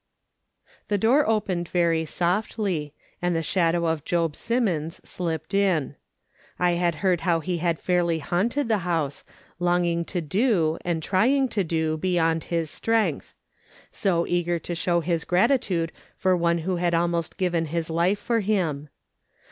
The door opened very softly, and the shadow of Job Simmons slipped in. I had heard how he had fairly haunted the house, longing to do, and trying to do beyond his strength ; so eager to show his gratitude for one who had almost given his life for him.